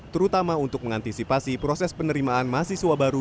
terutama untuk mengantisipasi proses penerimaan mahasiswa baru